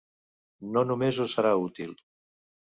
No només us serà útil.